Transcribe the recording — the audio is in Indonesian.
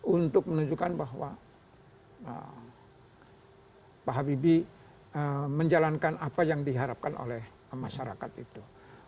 untuk menunjukkan bahwa pak habibie menjalankan apa yang diharapkan oleh masyarakat itu